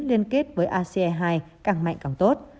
liên kết với ace hai càng mạnh càng tốt